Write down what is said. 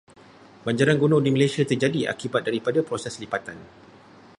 Banjaran gunung di Malaysia terjadi akibat daripada proses lipatan.